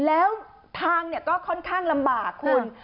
แล้วทางก็ค่อนข้างลำบากคุณ